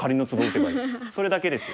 それだけです。